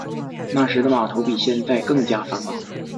那时的码头比现在更加繁忙。